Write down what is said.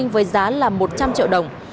với giá một mươi một ba tỷ đồng